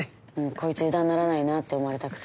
こいつ油断ならないなって思われたくて。